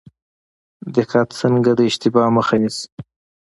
دقت څنګه د اشتباه مخه نیسي؟